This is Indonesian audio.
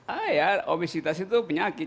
ah ya obesitas itu penyakit